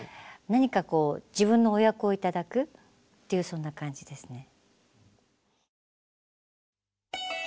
何かこう自分のお役を頂くっていうそんな感じですね。